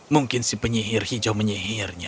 mungkin si penyihir hijau menyihirnya